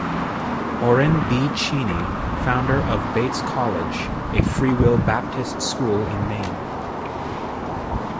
Oren B. Cheney, founder of Bates College, a Freewill Baptist school in Maine.